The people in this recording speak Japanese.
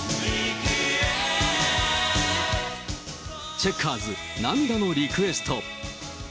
チェッカーズ、涙のリクエスト。